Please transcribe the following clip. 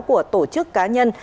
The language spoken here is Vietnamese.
của tổ chức cá nhân